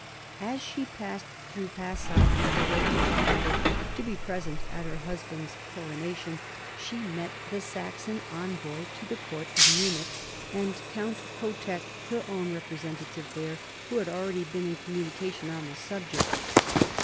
As she passed through Passau, on her way to Frankfort* 1743 45 WAR OF SUCCESSION 41 to be present at her husband's coronation, she met the Saxon envoy to the court of Munich and Count Chotek, her own representative there, who had already been in communication on the subject.